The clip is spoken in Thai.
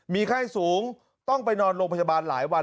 มีไข้สูงต้องไปนอนโรงพยาบาลหลายวัน